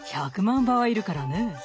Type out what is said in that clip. １００万羽はいるからねえ。